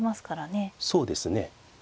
そうですね。